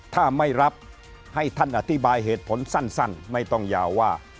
ถ้าไม่รับให้ท่านอธิบายเหตุผลสั้นไม่ต้องยาวว่า